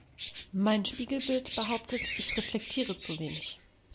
Mein Spiegelbild behauptet, ich reflektiere zu wenig.